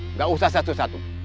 enggak usah satu satu